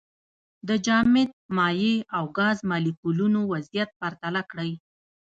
د جامد، مایع او ګاز مالیکولونو وضعیت پرتله کړئ.